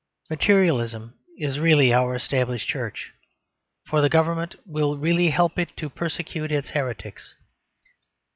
Materialism is really our established Church; for the Government will really help it to persecute its heretics.